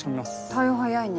対応早いね。